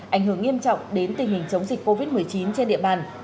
ảnh hưởng nghiêm trọng đến tình hình chống dịch covid một mươi chín trên địa bàn